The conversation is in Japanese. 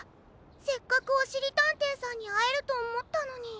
せっかくおしりたんていさんにあえるとおもったのに。